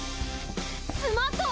スマット！